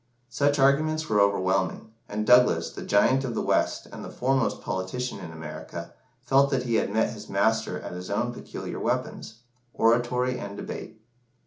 Such arguments were overwhelming, and Douglas, the Giant of the West and the foremost politician in America, felt that he had met his master at his own peculiar weapons oratory and debate.